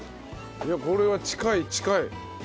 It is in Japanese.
これは近い近い。